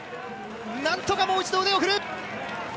何とか、もう一度腕を振る！